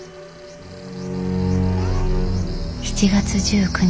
７月１９日。